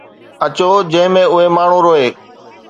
اچو، جنهن ۾ اهي ماڻهو روئي